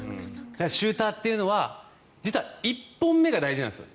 シューターというのは実は１本目が大事なんです。